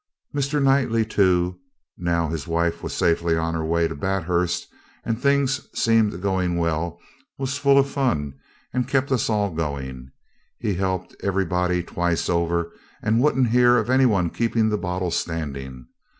Mr. Knightley, too, now his wife was safe on her way to Bathurst, and things seemed going well, was full of fun, and kept us all going. He helped everybody twice over, and wouldn't hear of any one keeping the bottle standing.